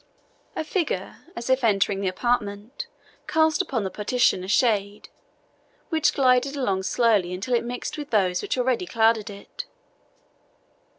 A figure, as if entering the apartment, cast upon the partition a shade, which glided along slowly until it mixed with those which already clouded it.